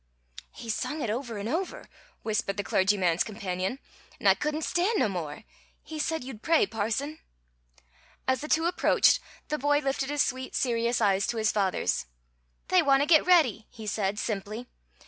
"He's sung it over 'n' over," whispered the clergyman's companion, "'nd I couldn't stan' no more. He said you'd pray, parson." As the two approached, the boy lifted his sweet, serious eyes to his father's. "They want to get ready," he said, simply.